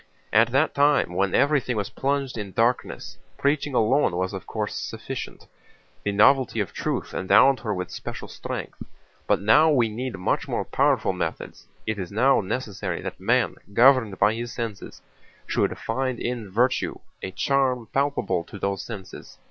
"At that time, when everything was plunged in darkness, preaching alone was of course sufficient. The novelty of Truth endowed her with special strength, but now we need much more powerful methods. It is now necessary that man, governed by his senses, should find in virtue a charm palpable to those senses.